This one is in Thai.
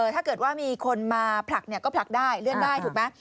ถ้าเกิดว่ามีคนมาผลักก็ผลักได้เลื่อนได้ถูกไหม